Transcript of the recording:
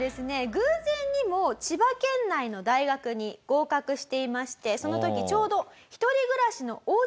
偶然にも千葉県内の大学に合格していましてその時ちょうど。